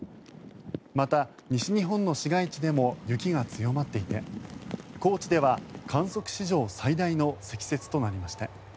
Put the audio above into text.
また、西日本の市街地でも雪が強まっていて高知では観測史上最大の積雪となりました。